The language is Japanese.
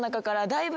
だいぶ？